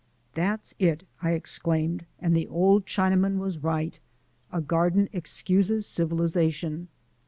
"That's it," I exclaimed, "and the old Chinaman was right! A garden excuses civilization."